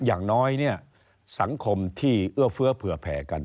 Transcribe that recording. อย่างน้อยเนี่ยสังคมที่เอื้อเฟื้อเผื่อแผ่กัน